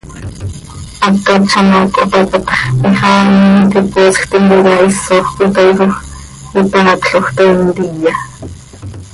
Hacat z ano cohtácatx, hixaainim iti, poosj tintica isoj cöitaaijoj, itaacloj, toii ntiya.